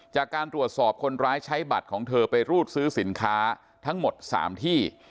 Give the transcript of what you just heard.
จากการตรวจสอบคนร้ายใช้บัตรของเธอไปรูดซื้อสินค้าทั้งหมด๓ที่